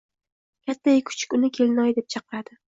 Kattayu kichik uni Kelinoyi deb chaqiradi.